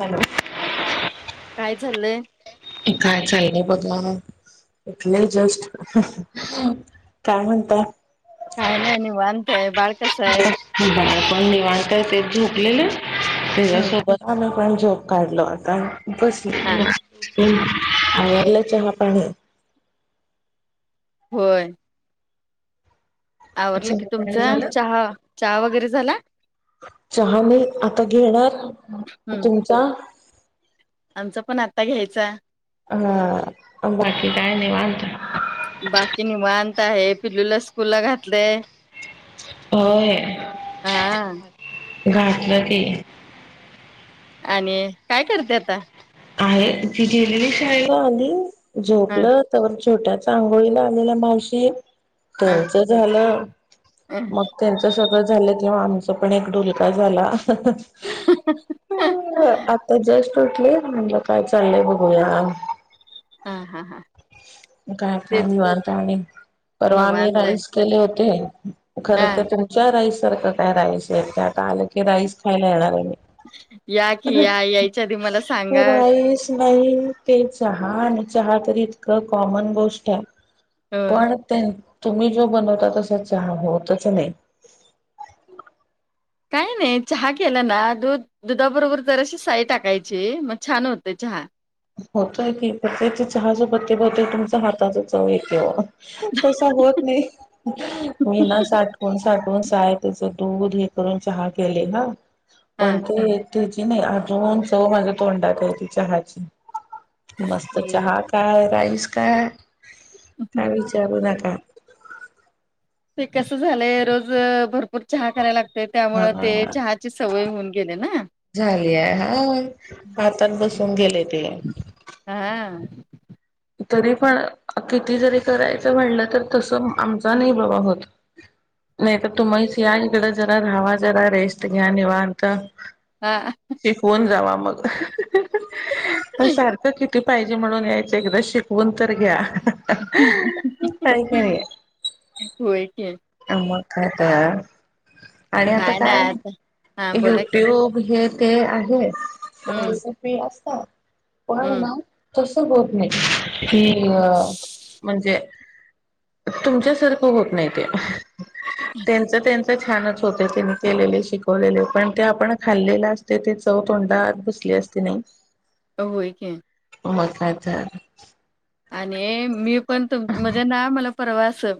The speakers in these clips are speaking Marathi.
हॅलो कायं चाललंय कायं चाललंय बघां इले जस्टं कायं म्हणतां आहे कायं नाहीं निवांत आहे बाळं बाळं पणं निवांत ते झोपलेलं हम्म त्यांच्यासोबत आम्हीं पणं झोंप काढलं आंता बसलो हा निवांत हलां चहा पाणी पहिले होयं आवरलं की चहा पाणी तुमचं झालं चहा चहा वगैरें झालां चहा नाहीं आंता घेणारं तुमचां आमचं पणं आंता घ्यांयचा हां बाकी कायं नाहीं निवांत बाकी निवांत आहे, पिल्लूंला स्कूंलला घातलंय. होयं हा घातलं की- आणि कायं करते आंता आहे तिची गेलेलीचं नायं कां अजूंन ह झोपलं तरं छोट्यांची आंघोळीला आलेला मावशी- ह त्यांच झालं हा मंग त्यांचं सगळं झालं किंवा आमचां पणं एक ढुंलका झालां आंता जस्टं उठले. म्हटलं कायं चाललंय बघुंया- हां हां हां.... कायं कां निवांत आहे आणि पर्वा आम्हीं निवांत आहे राईस केले होते खरं हा तरं तुमच्यां राईस सारखं कायं राईस आहे ते आंता आलं की राईस खांयला येणारं आहे मी. या की या यायच्या आधी मला सांगा राईस- नाहीं ते चहा आणि चहा तरं इतकं कॉमन गोष्ट आहे- अ पणं त्यां तुम्हीं जो बनवतां तसां चहा बनतंच नाहीं कायं नाहीं चहा केलां नां दुधं दुधांबरोबर जरांशी साय टाकांयची मंग छान होते चहा होतोय की ते चहाजोपत्ते बोते तुमच्या हातांतच तसां होतं नाहीं मी नां साठवून साठवुन सायं त्यांचं दूधं हे करूंन चहा केले नां हा पणं ते- त्यांची नाहीं अजूंन चवं माझ्या तोंडात आहेय तीच्या हातची चहाची- मस्तं चहा होय. कायं, राईस कायं, कायं विचारू नकां- ते कसं झालंय रोज भरंपूर भरंपूर चहा करायंला लागतेय त्यामुळं ते हा चहाची सवंय होऊन गेले नां. झाली आहे हा, आताच बसून गेलीये ती. हा. तरी पण, किती जरी करायचं म्हटलं तर तसं आमचा नाही बाबा होत. नाही तर, तुमची आयकड जरा राहावा जरा, रेस्ट घ्या निवांत हा, ह ह शिकूऊन जावा मग, पण सारखं किती पाहिजे म्हणून ऐक एकदा शिकवून तर घ्या, हाय कणी. होय कि. मग काय तर, आणि आता काय नाय आता हा बोला की युट्यूब हे ते आहे, हम्म सगळयांच फ्री असत, पण हम्म ना तस होत नाही, कि अ म्हणजे तुमच्यासारखं होत नाही ते, त्येच त्यांच छानच होतय ते त्यांने केलेले शिकवलेले पण ते आपण खाल्लेले असतय ते चव तोंडात घूसते ती असते नाही. होय की. हो, मग काय तर. आणि मी पण तुम, म्हणजे ना मला परवा असं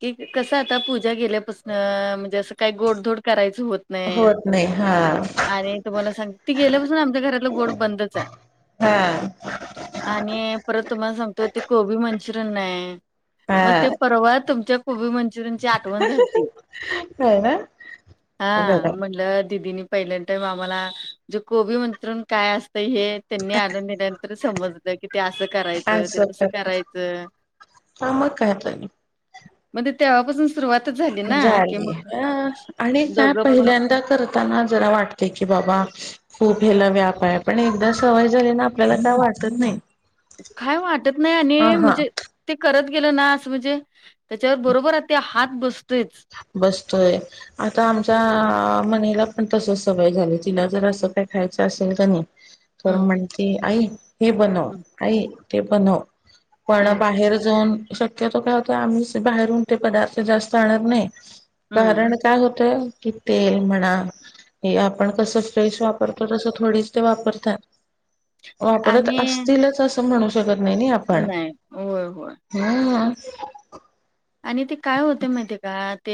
कि कसं आता, पूजा गेल्यापसन म्हणजे असं काय गोडधोड करायचं होत होत नाही हा आणि तुम्हाला सांग, ती गेल्यापासून आमच्या घरातलं गोड बंदच हाय. हा. आणि परत तुम्हाला सांगतो, ते कोबी मंचुरियन नाही मग हा ते परवा तुमच्या कोबी -मंचुरियनची आठवण झालीती. होय कां. हा म्हणटलं दिदीनी पहिल्यांन टाइम आम्हाला, जे कोबी -मन्चुरिअन काय असतंय हे, त्यांनी आणून देण्यान समजल, की ते असं करायच. ते असं तस कर करायचं, मग काय तर म तेव्हापासून सुरुवात झाली अ, आणि काय दोघं पण पहिल्यांदा करत ताना, जरा वाटते की बाबा खूप ह्याला व्याप हाय, पण एकदा सवय झाली ना, आपल्याला का वाटत नाही. काय वाटत नाही हा आणि, हा म्हणजे, ते करत गेलं ना असं म्हणजे त्याच्यावर बरोबर ते हात बसतोयच. बसतोय. आता आमच्या मणीला पण, तस सवय झाली, तिला जर असं काही खायचं असेल कणी तर हम्म म्हणते, आई हे बनव, हम्म आई ते बनव. पण हम्म बाहेर जाऊन, शक्यतो काय आता आम्ही बाहेरून ते पदार्थ जास्त आणत नाही. हम्म कारण काय होतंय कि तेल म्हणा हे आपण कसं फ्रेश वापरतो, तसं थोडीच ते वापरतात. वापरत आणि असतीलच असं, म्हणू शकत नाही, नी आपण. नाही होय होय. हम्म आणि ते काय होतय, माहितीे का ते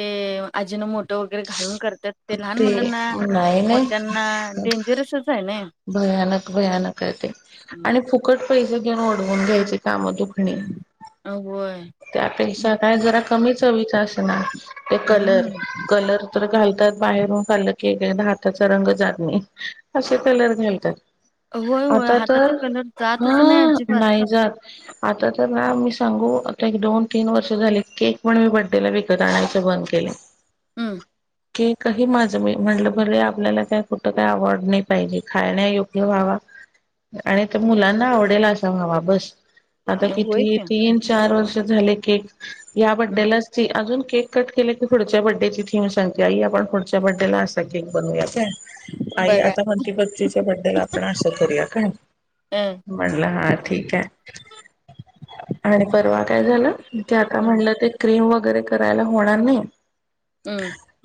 आजीनं मोठो वगैरे घालून करत त्यात ते लहान मुलांना, नाही नाही मोठ्यांना डेंजरसच हाय नई. भयानक, भयानक आहेे ते, हम्म. आणि खूप फुकट पैसे घेऊन ओढवून घ्यायचे कामं दुखणे. अव, व्हय. त्यांपेक्षा कायं जरां कमीचं हवीच असं नां ते कलर हम्म कलर. घालतांत बाहेरूंन खाल्लं की हातांचा रंग जातणे असे कलर घालतांत. होय होय आंता हाताचा तरं कलर जातच नाही हां अजिबात नाहीं जातं. आंता तरं नां मी सांगू. एक दोन तीनं वर्ष झाली केक पणं मी बड्डेला विकतं आणायचं बंद केले. हम्मं. की कांहीं माझं मी म्हटलं भरं आपल्यांला कां कुठं कांहीं अवॉर्ड नाहीं पाहिजे खांयण्या योग्यं व्हावां. आणि तरं मुलांना आवडेल असां व्हावां बसं. आंता होय किती की तीनं चार वर्ष झाले केक यां हम्म बड्डेलांच. अजूंन केक कंट केले की पुढच्यां बड्डेची थीम सांगते आई आपणं. तिच्या बड्डे लां असां केक बनूंया कां. आई बघा आंता मेणं बत्तीच्यां बद्दल आपणं असं करूंया कां. हम्म म्हणलं हां ठीक आहे आणि पर्वा कायं झालं. ते आंता हम्म म्हणलं ते क्रीम वगैरें करायंला होणारं नाहीं.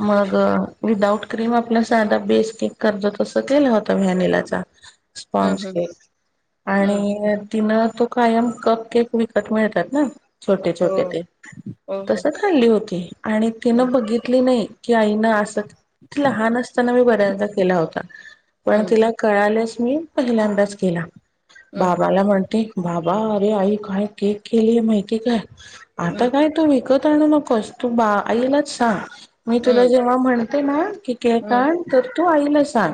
मंग विदाउट क्रीम आपलां सांधा बेसं केक करतो तसं केलं होतं व्हॅनिला चां. स्पॉज हम्म हम्म हम्म केक हम्म आणि. तिनं तो कायंम कंप केक विकतं मिळतातं नां छोटे हो छोटे ते हो हो तसंच. चाली होती आणि हम्म तिनं बघितली नाहीं. की आईनं असं लहांन असतांना मी बऱ्यांदा केलां होतां पणं हम्म तिलां. कळांलेस मी पहिल्यांदाच गेलां हम्म बाबालां म्हणते. बाबां अरे आई कायं केक केलीय माहितीय कायं आंता हम्म कायं. तूं विकतं आणूं नकोस तूं बां आईलांच सांग मी तुलां हम्म जेंव्हा म्हणते नां की. हम्म कांण तरं तूं आईला सांग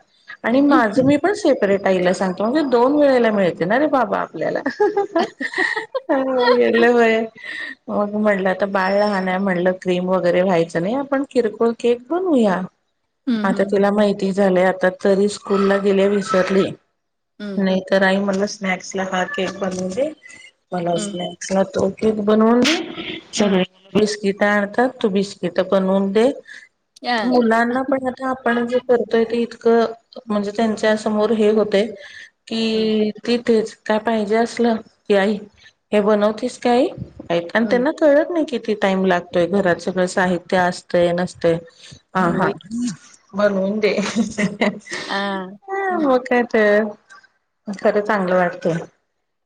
आणि माझं मी पणं सेपरेट. ताईलां सांगतो मंग दोन वेळेला मिळते नां रे बाबां आपल्यांला. होयं. ह [unintelligible] [unintelligible] मंग म्हटलं तरं बाळं लहांन म्हटलं क्रीम वगैरें व्हायचं नाहीं आपणं किरकोळ केक बनूंया. हम्म हम्म आंता हम्म तिला माहिती झालंय आंता तरी स्कूंलला गेले विसरली. क राई मलां स्नाक्स लां हाकेक अे मलां असतं हम्म नाहीं आहे. लां तो केक बनवूंन दे सगळे. बिस्किट आणतांत तूं बिस्किट बनवूंन दे हम्म मुलांना पणं. आपणं जे करतोय ते इतकं म्हणजे त्यांच्या समोर हे होतं. हम्म कि तिथेच कायं पाहिजे असलं की आई हे बनवतेस आई. आणि हम्म त्यांना कळतं नाहीं किती टाईम लागतोय घरांत सगळं साहित्य असते नसते. हां हां होय की. म्हणूंन दे. आ हं मं कायं ते खरं चांगलं वाटतं.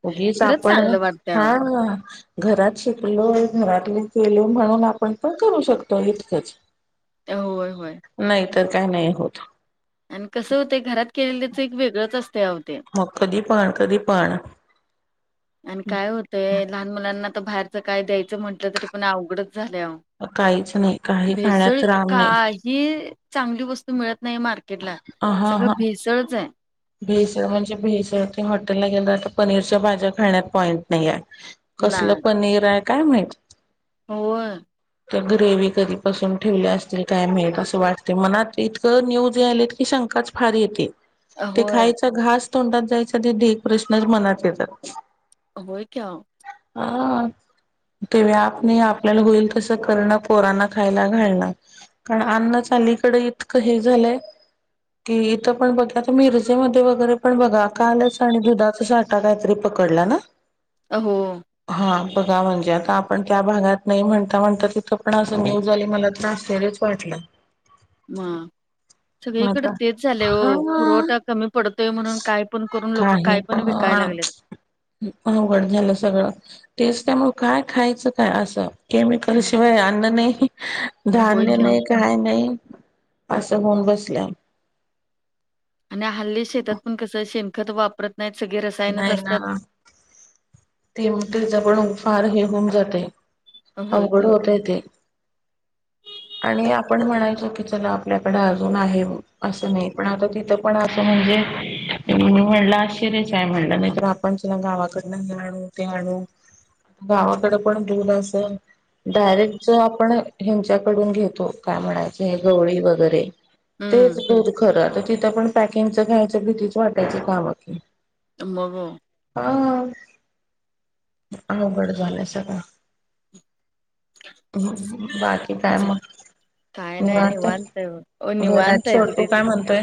उगीच खरंच आपणं चांगलं वाटतंय हां. हां घरांत शिकलो घरांतले गेलं म्हणूंन आपणं पणं करूं शकतो इतकंच. [inaudible] [unintelligible] होयं होयं. नाहीं तरं कायं नाहीं होतं. आणि कसं होते घरांत केलेलं तरं एक वेगळंच असते हे होते. मंग कधी पणं कधीं पणं. आणि कायं होतंय लहांन मुलांना आंता बाहेरचं कायं द्यायचं म्हटलं तरी पणं अवघडचं झालं. काहींचं नाहीं कांहीं खाण्यांत राम नाहीं. ही चांगली वस्तू मिळत नाही मार्केटला... सगळं भेसळच ए. भेसड म्हणजे भेसळ... ते हॉटेलला गेला तर पनीरच्या भाज्या खाण्यात पॉईंट नाई ए. ना कसलं पनीर ए काय माहित? होय. त्या ग्रेवी कधीपासून ठेवल्या असतील काय माहीत... असं वाटते मनात... इतकं न्यूज यालेत की शंकाच फार येती. ते होय खायचा घास तोंडात जायचा... ते प्रश्नच मनात येतात. होय की अहो. हा. ते बाई... आप नई... आपल्याला होईल तसं करणं... पोरांना खायला घालणं. कारण अन्नच अलीकडं इतकं हे झालंय... की इथं पण बघा आता मिर त्या मधे वगैरे पण बघा... कालच आणि दुधाचा साटा काहीतरी पकडला ना? अ... हो. हा बघा म्हणजे... आता आपण त्या भागात नाही... म्हणता म्हणता तिथं पण असं न्युज आली... मला तर आश्चर्य वाटलं. मा. म सगळीकडे आता तेच झालंय वो... हा पुरवठा कमी पडतोय म्हणून... काय पण करून... लोक काय पण विकायला लागलेत. अवघड झालं सगळं... टेस्ट आहे म्हणून काय खायचं काय असं केमिकल हं. शिवाय अन्न नाई... हं... होय धान्य की अहो नाई काय नाई. असं होऊन बसल्या. आणि हल्ली शेतात पण कसं.. शेणखत वापरत नाहीत सगळी रसायनच नाही असत्यात. ना ते [unintelligible] फार हे होऊन जातंय... होय की. अवघड होतंय ते. आणि आपण म्हणायचो की चला आपल्याकडे अजून आहे... असं नाई... पण आता तिथं पण.. असं म्हणजे मी म्हणलं आश्चर्यच आहे म्हणलं... नाई तर आपण चला गावाकडून हे आणू... ते आणू गावाकडे पण दूध असं डायरेक्ट जो आपण ह्यांच्याकडून घेतो... काय म्हणायच... हे गवळी वगैरे हम्म तेच दूध खरं... आता तिथं पण पॅकिंगच घ्यायचं. भीतीच वाटायची [unintelligible] मग हो. हा. अवघड झालंय सगळं. हं.. बाकी काय ज मग? काय नाई.. निवांत ए... हो घरात निवांत ए छोटू दीदीच काय म्हणतोय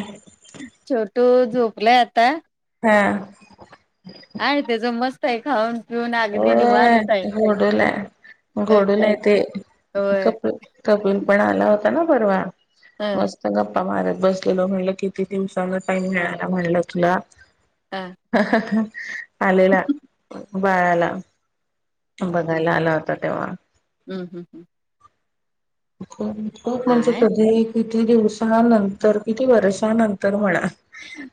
छोटू झोपलाय आता. हा. आणि त्याचं मस्त ए खाऊन पिऊन अगदी होय... निवांत आहे. गोडूला... अ गोडूलाय की ते... होय कप कपिल पण आला होता ना परवा... अ मस्त गप्पा मारत बसलेलो... म्हणलं किती दिवसानं टाईम मिळाला म्हणलं तुला. हा. हं हं हं... आलेला बाळाला बघायला आला होता तेव्हा. हूं हूं हूं. खूप... खूप म्हणजे काय कधी? किती दिवसानंतर... किती वर्षनंतर म्हणा.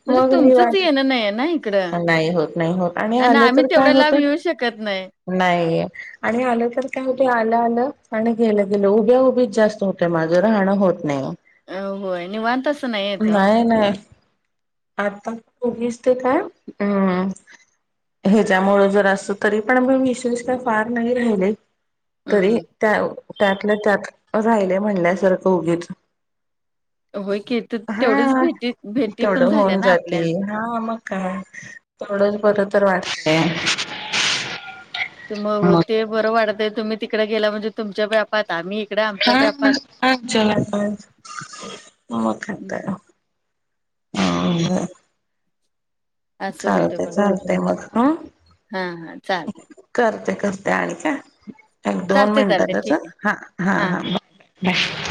म्हणजे मग तुमचंच निवांत. येणं नाहीये ना इकडं नाही होत. नाही होत. आणि आणलं तर काय होत? कत नाय. नाही. आणि आलं तर काय होत? आलं - आलं आणि गेलं- गेलं. उभ्या - उभीच जास्त होते माझं. राहणं होत नाही. अ होय निवांत असं येत ओ. नाही, ना. आता ऊघीस ते काय? अम्. ह्याच्यामुळ जर अस. तरी पण मी [unintelligible] [unintelligible] फार नाही राहिले. तरी हम्म त्या- त्यातल्या त्यात राहिले म्हणल्यासारखं, उगीच. होय, की. ते तेवढीच हा भेटी - भेटी पण तेवढं झाल्या होऊन ना, जाते आपल्या. हा, मग काय. तेवडंच बरं तर वाटतय. मग होते. बरं वाटतय. तुम्ही तिकडे गेला म्हणजे, तुमच्या बा्यापात. आम्ही इकडे हा, आमच्या व्यापात. हा. [unintelligible] [unintelligible] असं होतं चालतय, बघ चालतय, मग. ह. हा हा चालतय [unintelligible] करते - करते आणिक, अ. एक, दोन चालतय चालतय मिनटातच. आ. ठीक आहे हा, हा, हां. बाय.